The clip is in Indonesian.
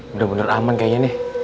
bener bener aman kayaknya nih